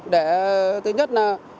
để thứ nhất là